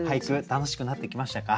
楽しくなってきましたか？